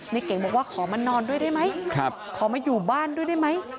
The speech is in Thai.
เก๋งบอกว่าขอมานอนด้วยได้ไหมขอมาอยู่บ้านด้วยได้ไหม